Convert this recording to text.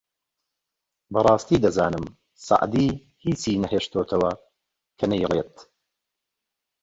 ! بەڕاستی دەزانم سەعدی هیچی نەهێشتۆتەوە کە نەیڵێت